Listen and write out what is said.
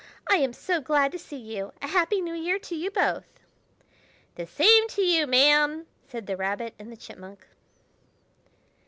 I am so glad to see you. A happy New Year to you both!" "The same to you, Ma'am!" said the Rabbit and the Chipmunk.